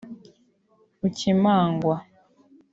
bukemangwa